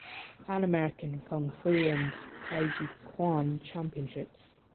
Pan American Kung Fu and Taijiquan Championships